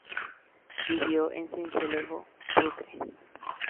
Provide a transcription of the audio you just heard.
Vivió en Sincelejo, sucre.